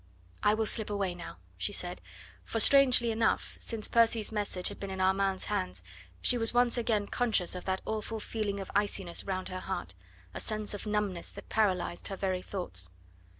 "I will slip away now," she said, for strangely enough since Percy's message had been in Armand's hands she was once again conscious of that awful feeling of iciness round her heart, a sense of numbness that paralysed her very thoughts.